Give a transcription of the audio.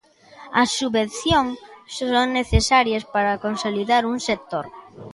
As subvención son necesarias para consolidar un sector.